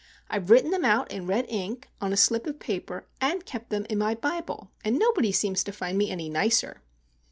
I've written them out in red ink on a slip of paper, and kept them in my Bible;—and nobody seems to find me any nicer!"